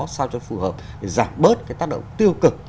sao cho phù hợp để giảm bớt cái tác động tiêu cực